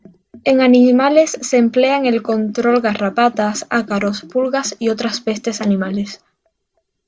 En animales se emplea en el control garrapatas, ácaros, pulgas y otras pestes animales.